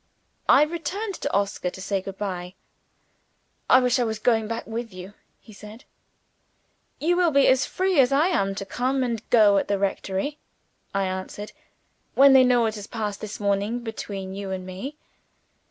I returned to Oscar, to say good bye. "I wish I was going back with you," he said. "You will be as free as I am to come and to go at the rectory," I answered, "when they know what has passed this morning between you and me.